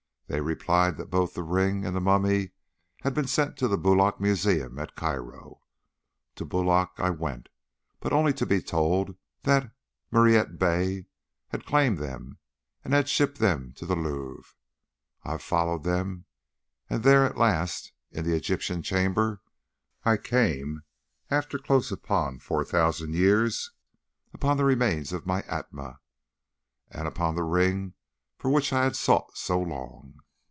They replied that both the ring and the mummy had been sent to the Boulak Museum at Cairo. To Boulak I went, but only to be told that Mariette Bey had claimed them and had shipped them to the Louvre. I followed them, and there at last, in the Egyptian chamber, I came, after close upon four thousand years, upon the remains of my Atma, and upon the ring for which I had sought so long.